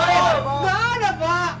nggak ada pak